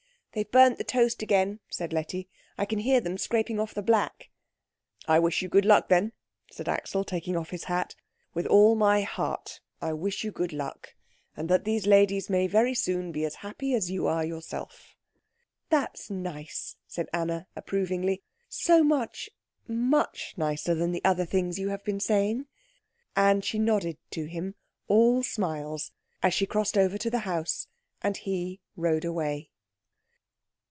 "They've burnt the toast again," said Letty; "I can hear them scraping off the black." "I wish you good luck, then," said Axel, taking off his hat; "with all my heart I wish you good luck, and that these ladies may very soon be as happy as you are yourself." "That's nice," said Anna, approvingly; "so much, much nicer than the other things you have been saying." And she nodded to him, all smiles, as she crossed over to the house and he rode away.